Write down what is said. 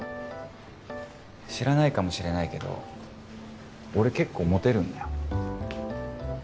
知らないかもしれないけど俺結構モテるんだよ